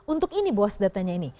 untuk ini bos datanya ini